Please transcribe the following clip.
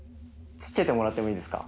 つけてもらってもいいですか？